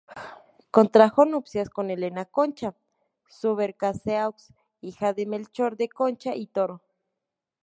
Contrajo nupcias con Elena Concha Subercaseaux, hija de Melchor de Concha y Toro.